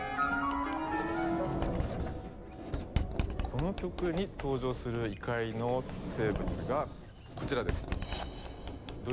この曲に登場する異界の生物がこちらです。